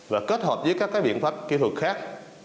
và kết hợp với các biện pháp kỹ thuật khác